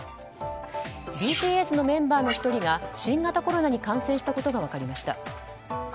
ＢＴＳのメンバーの１人が新型コロナに感染したことが分かりました。